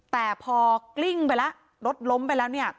แต่พอกลิ้งไปแล้วรถล้มไปแล้วเนี่ย